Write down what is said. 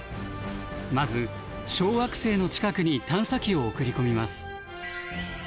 まず小惑星の近くに探査機を送り込みます。